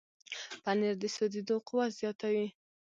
پنېر د سوځېدو قوت زیاتوي.